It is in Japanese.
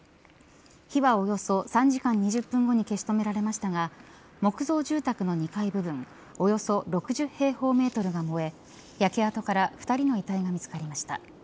火はおよそ３時間２０分後に消し止められましたが木造住宅の２階部分およそ６０平方メートルが燃え焼け跡から２人の遺体が見つかりました。